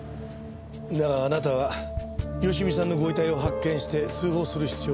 だがあなたは芳美さんのご遺体を発見して通報する必要があった。